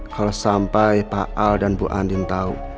kalau sampai pak al dan bu andin tahu